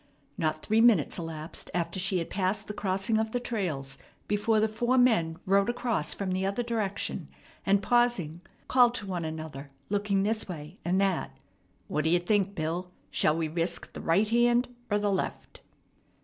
Not three minutes elapsed after she had passed the crossing of the trails before the four men rode across from the other direction, and, pausing, called to one another, looking this way and that: "What d'ye think, Bill? Shall we risk the right hand 'r the left?"